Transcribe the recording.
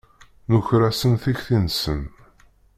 Nuker-asen tikti-nsen.